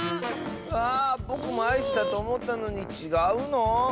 あぼくもアイスだとおもったのにちがうの？